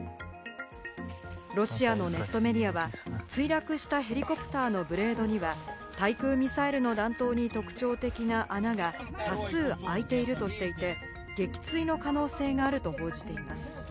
ロシアのネットメディアは墜落したヘリコプターのブレードには対空ミサイルの弾頭に特徴的な穴が多数あいているとしていて、撃墜の可能性があると報じています。